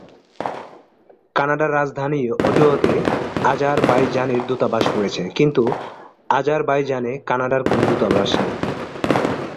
কানাডার রাজধানী অটোয়া তে আজারবাইজানের দূতাবাস রয়েছে, কিন্তু আজারবাইজানে কানাডার কোন দূতাবাস নেই।